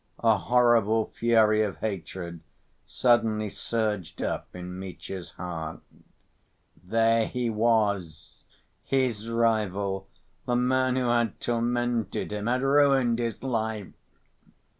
A horrible fury of hatred suddenly surged up in Mitya's heart: "There he was, his rival, the man who had tormented him, had ruined his life!"